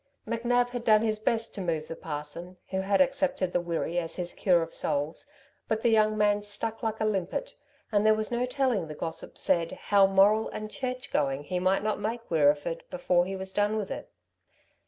McNab had done his best to move the parson who had accepted the Wirree as his cure of souls, but the young man stuck like a limpet, and there was no telling, the gossips said, how moral and church going he might not make Wirreeford before he was done with it.